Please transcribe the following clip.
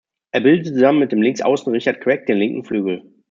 Er bildete zusammen mit dem Linksaußen Richard Queck den linken Flügel.